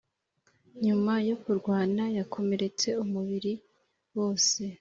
nyuma yo kurwana, yakomeretse umubiri wose.